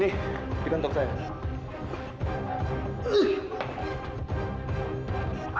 nih dibantuk saya